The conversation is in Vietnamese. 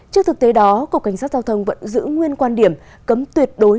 trước thực tế đó cục cảnh sát giao thông vẫn giữ nguyên quan điểm cấm tuyệt đối